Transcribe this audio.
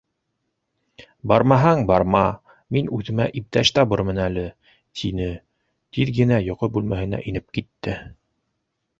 Бармаһаң, барма, мин үҙемә иптәш табырмын әле... - тине, тиҙ генә йоҡо бүлмәһенә инеп китте.